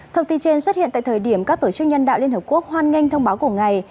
thông tin trên xuất hiện tại thời điểm các tổ chức nhân đạo liên hợp quốc hoan nghênh thông báo của ngày